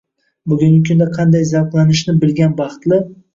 Bugungi kunda qanday zavqlanishni bilgan baxtli